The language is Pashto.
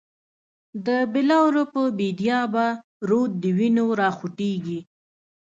دبلورو په بیدیا به، رود دوینو راخوټیږی